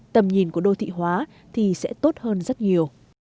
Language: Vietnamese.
tầm nhìn của đô thị hóa thì sẽ tốt hơn rất nhiều